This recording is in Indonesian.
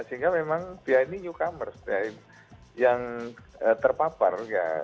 sehingga memang dia ini newcomer yang terpapar